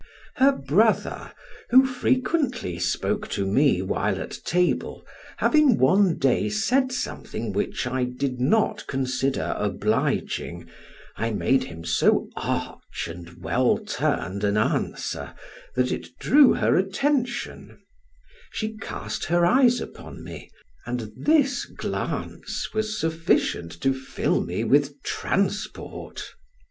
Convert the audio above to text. Her brother, who frequently spoke to me while at table, having one day said something which I did not consider obliging, I made him so arch and well turned an answer, that it drew her attention; she cast her eyes upon me, and this glance was sufficient to fill me with transport.